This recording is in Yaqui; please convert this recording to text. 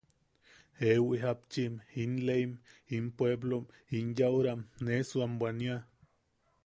–Jeewi japchim, in leim, in puepplom, in yaʼuram, nesu a bwania.